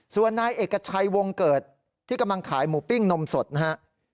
ส่วนนายเอกชัยวงเกิดที่กำลังขายหมูปิ้งนมสดนะฮะ